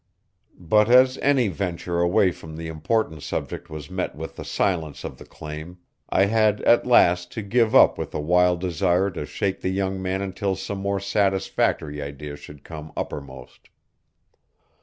But as any venture away from the important subject was met with the silence of the clam, I had at last to give up with a wild desire to shake the young man until some more satisfactory idea should come uppermost.